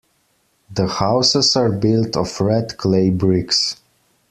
The houses are built of red clay bricks.